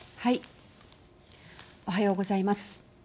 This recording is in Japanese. おはようございます。